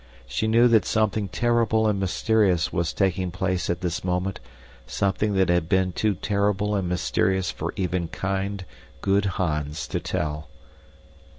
She knew that something terrible and mysterious was taking place at this moment, something that had been too terrible and mysterious for even kind, good Hans to tell.